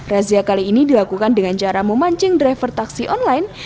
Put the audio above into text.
razia kali ini dilakukan dengan cara memancing driver taksi online